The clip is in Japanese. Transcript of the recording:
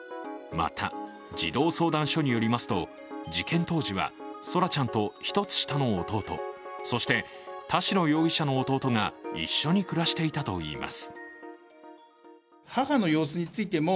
また、児童相談所によりますと事件当時は空来ちゃんと１つ下の弟、そして田代容疑者の弟が一緒に暮らしていたといいます。